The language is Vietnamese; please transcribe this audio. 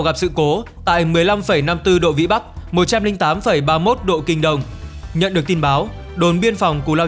gặp sự cố tại một mươi năm năm mươi bốn độ vĩ bắc một trăm linh tám ba mươi một độ kinh đông nhận được tin báo đồn biên phòng cù lao